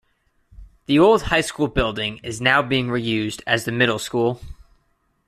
The old high school building is now being reused as the middle school.